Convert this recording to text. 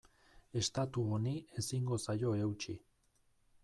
Estatu honi ezingo zaio eutsi.